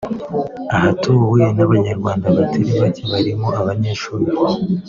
ahatuwe n’abanyarwanda batari bake barimo abanyeshuri